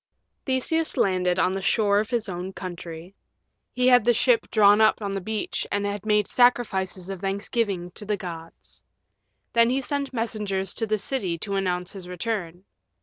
Theseus landed on the shore of his own country. He had the ship drawn up on the beach and he made sacrifices of thanksgiving to the gods. Then he sent messengers to the city to announce his return.